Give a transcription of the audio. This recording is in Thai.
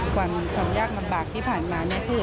ความยากลำบากที่ผ่านมาเนี่ยคือ